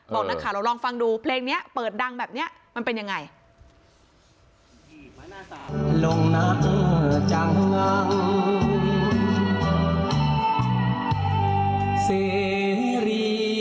นักข่าวเราลองฟังดูเพลงนี้เปิดดังแบบนี้มันเป็นยังไง